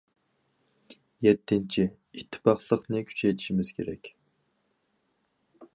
يەتتىنچى، ئىتتىپاقلىقنى كۈچەيتىشىمىز كېرەك.